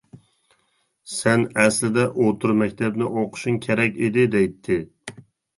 سەن ئەسلىدە ئوتتۇرا مەكتەپنى ئوقۇشۇڭ كېرەك ئىدى دەيتتى.